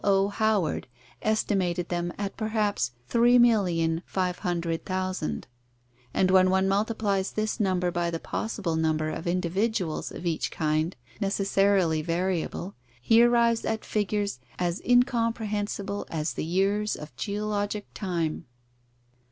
O. Howard estimated them at perhaps 3,500,000, and when one multiplies this number by the possible number of individuals of each kind, necessarily variable, he arrives at figures as incomprehensible as the years of geologic time.